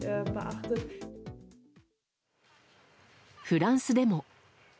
フランスでも。